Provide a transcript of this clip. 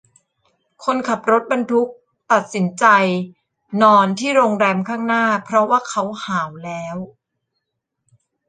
คนขับรถบรรทุกตักสินใจนอนที่โรงแรมข้างหน้าเพราะว่าเขาหาวแล้ว